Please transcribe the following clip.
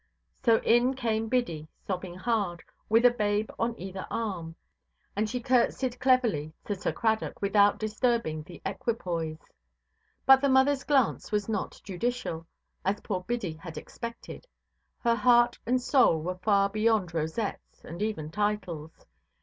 So in came Biddy, sobbing hard, with a babe on either arm; and she curtseyed cleverly to Sir Cradock without disturbing the equipoise. But the motherʼs glance was not judicial, as poor Biddy had expected—her heart and soul were far beyond rosettes, and even titles.